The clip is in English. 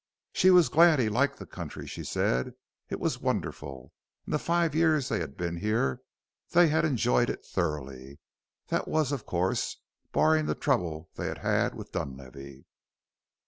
She was glad he liked the country, she said. It was wonderful. In the five years they had been here they had enjoyed it thoroughly that was, of course, barring the trouble they had had with Dunlavey.